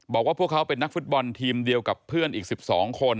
บอกว่าพวกเขาเป็นนักฟุตบอลทีมเดียวกับเพื่อนอีก๑๒คน